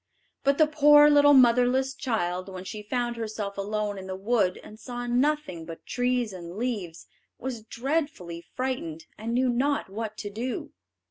But the poor little motherless child, when she found herself alone in the wood, and saw nothing but trees and leaves, was dreadfully frightened, and knew not what to do.